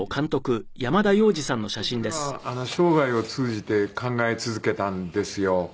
ずっとそれは生涯を通じて考え続けたんですよ